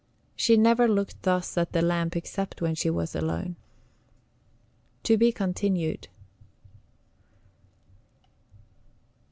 She never looked thus at the lamp except when she was alone. [TO BE CONTINUED.